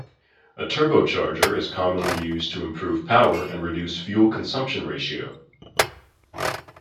A turbocharger is commonly used to improve power and reduce fuel consumption ratio.